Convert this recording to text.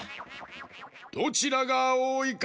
どちらがおおいか